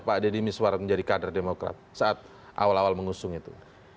pak deddy miswar menjadi kader demokrat saat awal awal mengusung itu